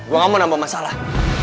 gue gak mau nambah masalah